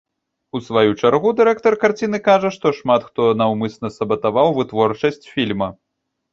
У сваю чаргу, дырэктар карціны кажа, што шмат хто наўмысна сабатаваў вытворчасць фільма.